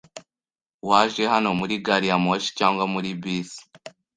Waje hano muri gari ya moshi cyangwa muri bisi?